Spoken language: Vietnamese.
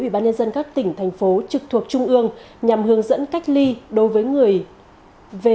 ủy ban nhân dân các tỉnh thành phố trực thuộc trung ương nhằm hướng dẫn cách ly đối với người về